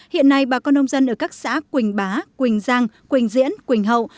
hiện nay bà con nông dân ở các xã quỳnh bá quỳnh giang quỳnh diễn quỳnh hậu